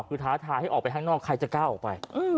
คือท้าทายให้ออกไปข้างนอกใครจะกล้าออกไป